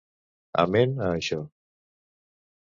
Amen a això.